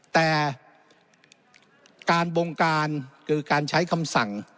แต่การบงการคือการใช้คำสั่ง